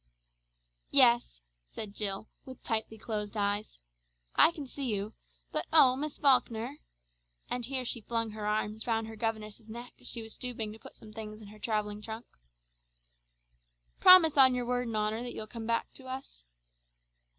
"Yes," said Jill with tightly closed eyes, "I can see you; but, oh, Miss Falkner," and here she flung her arms round her governess's neck as she was stooping to put some things in her travelling trunk, "promise on your word and honour that you'll come back to us!"